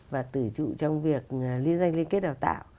và tự trụ trong việc liên doanh liên kết đào tạo